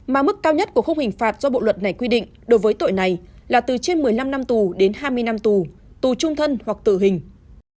mà mức cao nhất của khung hình phạt do bộ luật này quy định đối với tội này là từ trên một mươi năm năm tù đến hai mươi năm tù tù trung thân hoặc tử hình